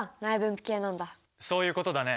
そういうことだね。